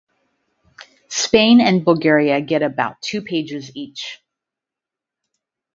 Spain and Bulgaria get about two pages each.